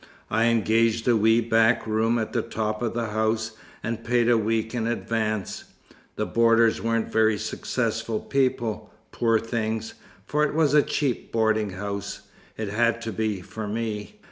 I engaged a wee back room at the top of the house, and paid a week in advance. The boarders weren't very successful people, poor things, for it was a cheap boarding house it had to be, for me.